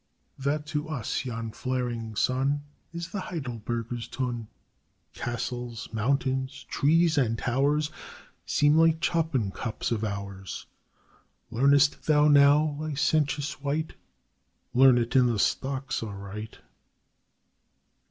That, to us, yon flaring sun Is the Heidelbergers' tun; Castles, mountains, trees, and towers, Seem like chopin cups of ours. Learn'st thou now, licentious wight? Learn it in the stocks aright!